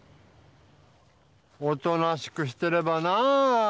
おとなしくしてればなぁ。